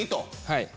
はい。